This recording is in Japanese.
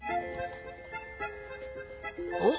おっ！